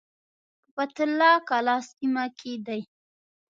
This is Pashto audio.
په فتح الله کلا سیمه کې دی.